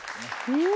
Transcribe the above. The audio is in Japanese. うん！